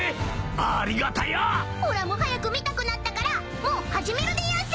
おらも早く見たくなったからもう始めるでやんす！